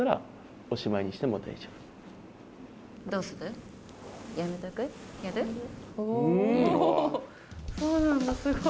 おおそうなんだすごい。